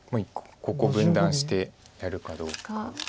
ここ分断してやるかどうか。